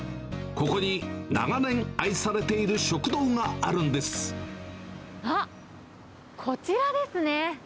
ここに、長年愛されている食堂があっ、こちらですね。